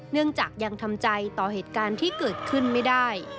เนื่องจากยังทำใจต่อเหตุการณ์ที่เกิดขึ้นไม่ได้